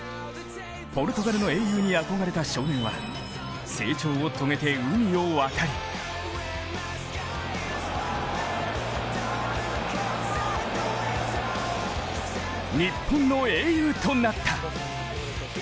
ポルトガルの英雄に憧れた少年は成長を遂げて海を渡り日本の英雄となった。